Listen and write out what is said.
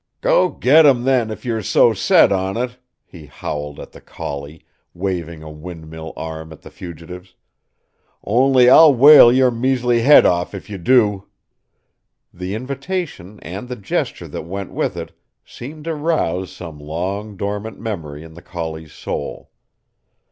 "Go get 'em then, if you're so set on it!" he howled at the collie, waving a windmill arm at the fugitives. "Only I'll whale your measly head off if you do!" The invitation and the gesture that went with it seemed to rouse some long dormant memory in the collie's soul.